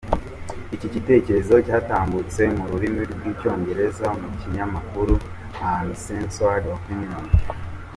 Iki gitekerezo cyatambutse mu rurimi rw’Icyongereza mu kinyamakuru Uncensored Opinion.